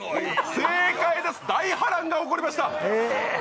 正解です大波乱が起こりました